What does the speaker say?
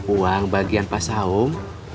uang bagian pasah um